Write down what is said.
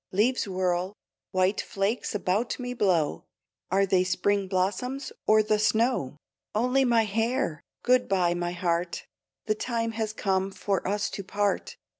Leaves whirl, white flakes about me blow Are they spring blossoms or the snow? Only my hair! Good bye, my heart, The time has come for us to part.